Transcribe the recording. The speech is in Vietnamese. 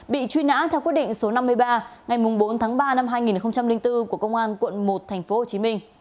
bị truy nã theo quyết định số năm mươi ba ngày bốn tháng ba năm hai nghìn bốn của công an quận một tp hcm